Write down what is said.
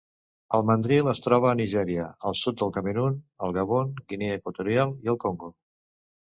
El mandril es troba a Nigèria, el sud del Camerun, el Gabon, Guinea Equatorial i el Congo.